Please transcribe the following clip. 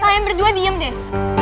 tayang berdua diem deh